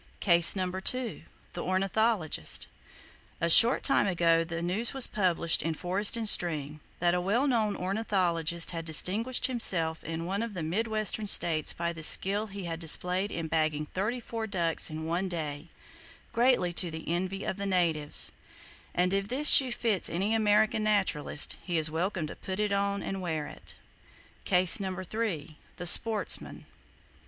Case No. 2. The Ornithologist. —A short time ago the news was published in Forest and Stream, that a well known ornithologist had distinguished himself in one of the mid western states by the skill he had displayed in bagging thirty four ducks in one day, greatly to the envy of the natives; and if this shoe fits any American naturalist, he is welcome to put it on and wear it. Case No. 3. The Sportsman.